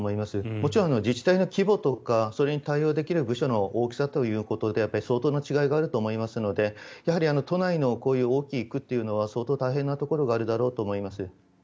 もちろん自治体の規模とかそれに対応できる部署の大きさということで相当の違いがあると思いますので都内の大きい区というのは相当大変なところがあるだろうと思います。